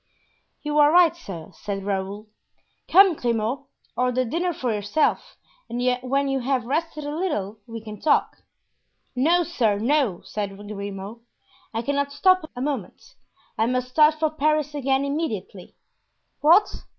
"You are right, sir," said Raoul. "Come, Grimaud, order dinner for yourself and when you have rested a little we can talk." "No, sir, no," said Grimaud. "I cannot stop a moment; I must start for Paris again immediately." "What?